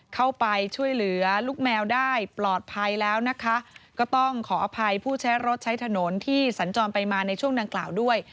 เข้าไปช่วยเหลือลูกแมวได้ปลอดภัยแล้วนะคะก็ต้องขออภัยผู้ใช้รถใช้ถนนที่สัญจรไปมาในช่วงดังกล่าวด้วย